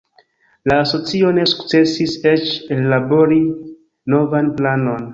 La asocio ne sukcesis eĉ ellabori novan planon.